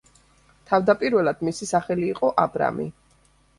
თავდაპირველად მისი სახელი იყო აბრამი.